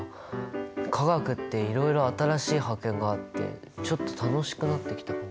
化学っていろいろ新しい発見があってちょっと楽しくなってきたかも。